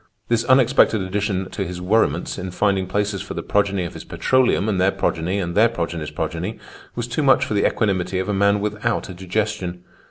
This unexpected addition to his worriments in finding places for the progeny of his petroleum and their progeny and their progeny's progeny was too much for the equanimity of a man without a digestion.